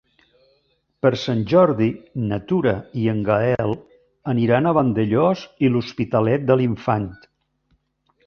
Per Sant Jordi na Tura i en Gaël aniran a Vandellòs i l'Hospitalet de l'Infant.